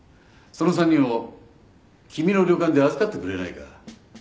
その３人を君の旅館で預かってくれないか？